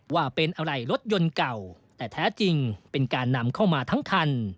ว่าเป็นอะไรรถยนต์เก่าแต่แท้จริงเป็นการนำเข้ามาทั้งคัน